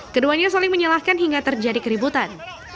keduanya saling menyalahkan hingga terjadi keributan